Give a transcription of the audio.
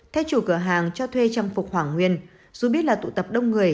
theo chủ cửa hàng cho thuê trang phục hoàng nguyên dù biết là tụ tập đông người